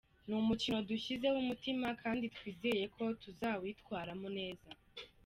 Ni umukino dushyizeho umutima kandi twizeye ko tuzawitwaramo neza.